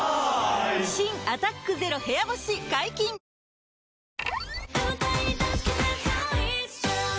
新「アタックＺＥＲＯ部屋干し」解禁‼いい汗。